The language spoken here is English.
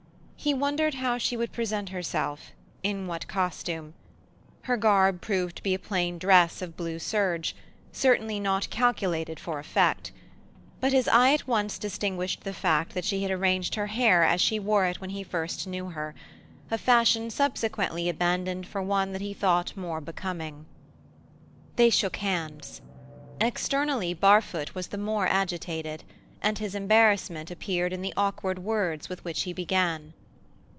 He wondered how she would present herself, in what costume. Her garb proved to be a plain dress of blue serge, certainly not calculated for effect; but his eye at once distinguished the fact that she had arranged her hair as she wore it when he first knew her, a fashion subsequently abandoned for one that he thought more becoming. They shook hands. Externally Barfoot was the more agitated, and his embarrassment appeared in the awkward words with which he began.